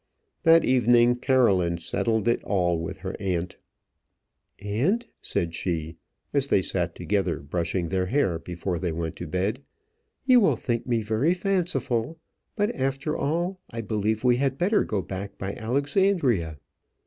That evening Caroline settled it all with her aunt. "Aunt," said she, as they sat together brushing their hair before they went to bed, "you will think me very fanciful; but after all, I believe we had better go back by Alexandria."